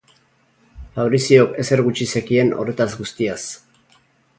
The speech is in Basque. Fabriziok ezer gutxi zekien horretaz guztiaz.